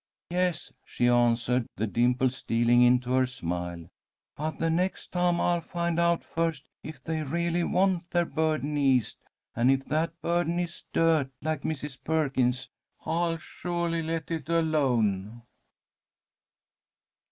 "Yes," she answered, the dimples stealing into her smile. "But the next time I'll find out first if they really want their burden eased, and if that burden is dirt, like Mrs. Perkins's, I'll suahly let it alone."